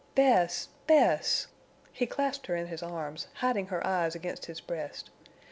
"Bess! Bess!" He clasped her in his arms, hiding her eyes against his breast.